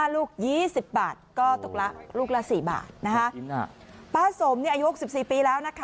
ลูก๒๐บาทก็ตกละลูกละ๔บาทนะคะป้าสมเนี่ยอายุ๖๔ปีแล้วนะคะ